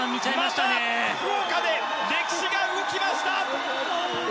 また福岡で歴史が動きました！